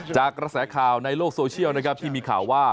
จากรักษาข่าวในโลกโซเชียลที่มีข่าวว่า